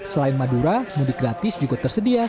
selain madura mudik gratis juga tersedia